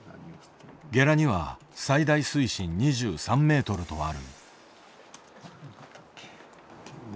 ゲラには最大水深２３メートルとある。